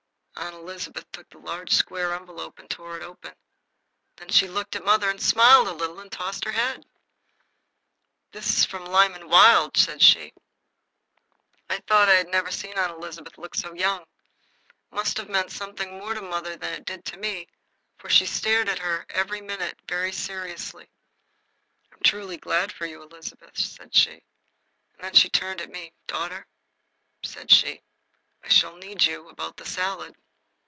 Aunt Elizabeth took the large, square envelope and tore it open. Then she looked at mother and smiled a little and tossed her head. "This is from Lyman Wilde," said she. I thought I had never seen Aunt Elizabeth look so young. It must have meant something more to mother than it did to me, for she stared at her a minute very seriously. "I am truly glad for you, Elizabeth," she said. Then she turned to me. "Daughter," said she, "I shall need you about the salad."